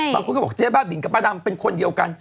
บางคนก็บอกเจ๊บ้าบินกับป้าดำเป็นคนเดียวกัน